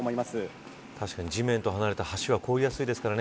確かに地面と離れた橋は凍りやすいですよね。